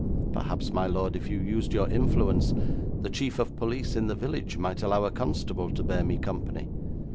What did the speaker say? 'Perhaps, my lord, if you used your influence, the chief of police in the village might allow a constable to bear me company.